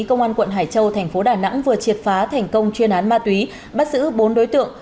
công an quận hải châu thành phố đà nẵng vừa triệt phá thành công chuyên án ma túy bắt giữ bốn đối tượng